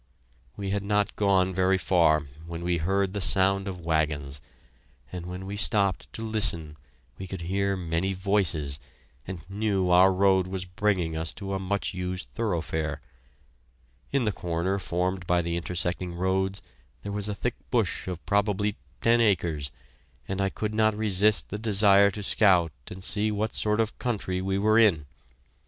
We had not gone very far when we heard the sound of wagons, and when we stopped to listen we could hear many voices, and knew our road was bringing us to a much used thoroughfare. In the corner formed by the intersecting roads there was a thick bush of probably ten acres, and I could not resist the desire to scout and see what sort of country we were in.